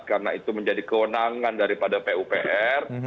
karena itu menjadi kewenangan daripada pupr